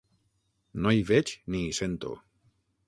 No hi veig ni hi sento.